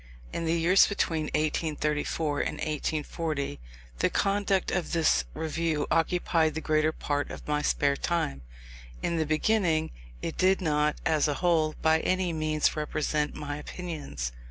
In the years between 1834 and 1840 the conduct of this Review occupied the greater part of my spare time. In the beginning, it did not, as a whole, by any means represent my opinions.